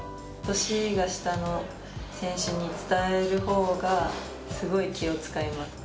年が下の選手に伝える方がすごい気を使います。